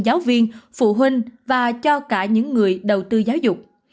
giáo viên phụ huynh và cho cả những người đầu tư giáo dục